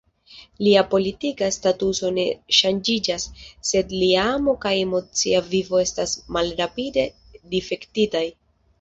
Lia politika statuso ne ŝanĝiĝas, sed lia amo kaj emocia vivo estas malrapide difektitaj.